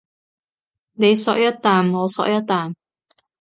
你嗦一啖我嗦一啖